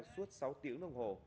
suốt sáu tiếng đồng hồ